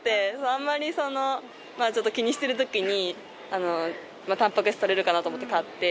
あんまりそのまあちょっと気にしてる時にタンパク質とれるかなと思って買って。